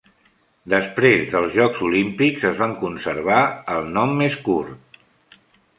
Després dels Jocs Olímpics es van conservar el nom més curt.